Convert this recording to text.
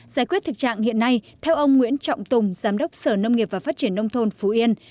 giải quyết thực trạng hiện nay theo ông nguyễn trọng tùng giám đốc sở nông nghiệp và phát triển nông thôn phú yên